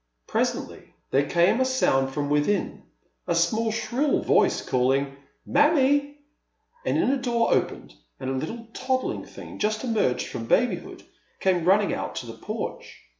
Presently there came a sound from within — a small shrill voice calling " mammie." An inner door opened, and a little toddling thing, just emerged from babyhood, came running out to the porch.